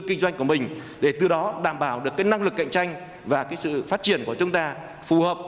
kinh doanh của mình để từ đó đảm bảo được cái năng lực cạnh tranh và sự phát triển của chúng ta phù hợp